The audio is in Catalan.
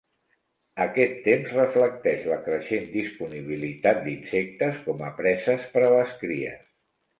Aquest temps reflecteix la creixent disponibilitat d'insectes com a preses per a les cries.